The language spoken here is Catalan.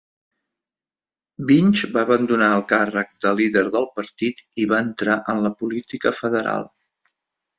Winch va abandonar el càrrec de líder del partit i va entrar en la política federal.